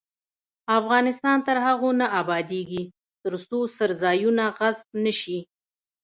افغانستان تر هغو نه ابادیږي، ترڅو څرځایونه غصب نشي.